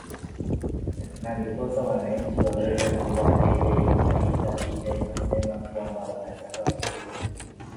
na ndiposa wananchi waweze kuwa na ile naita ile nasema kwamba wanataka kuu